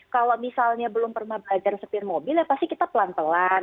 kalau misalnya belum pernah belajar setir mobil ya pasti kita pelan pelan